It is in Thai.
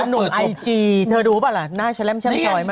สวัสดีค่ะข้าวใส่ไข่สดใหม่เยอะสวัสดีค่ะ